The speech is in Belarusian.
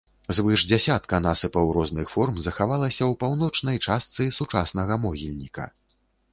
Звыш дзясятка насыпаў розных форм захавалася ў паўночнай частцы сучаснага могільніка.